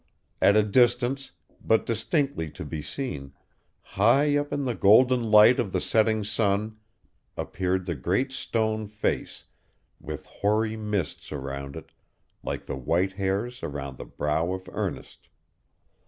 At a distance, but distinctly to be seen, high up in the golden light of the setting sun, appeared the Great Stone Face, with hoary mists around it, like the white hairs around the brow of Ernest.